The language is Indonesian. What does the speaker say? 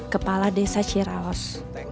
kepala desa ciraos